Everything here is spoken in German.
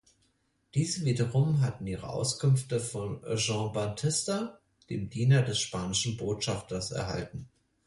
Diese wiederum hatten ihre Auskünfte von Gian Battista, dem Diener des spanischen Botschafters erhalten.